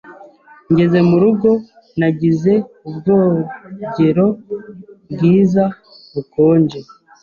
Ngeze murugo, nagize ubwogero bwiza, bukonje.